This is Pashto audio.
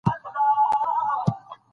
د ادب او ټولنې اړیکه پکې روښانه کیږي.